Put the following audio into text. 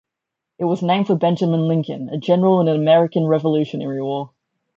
It was named for Benjamin Lincoln, a general in the American Revolutionary War.